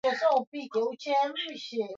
Sina cha mkononi, naja msalabani